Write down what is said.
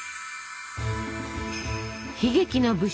悲劇の武将